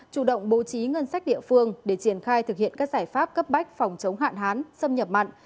chủ động bố trí ngân sách địa phương để triển khai thực hiện các giải pháp cấp bách phòng chống hạn hán xâm nhập mặn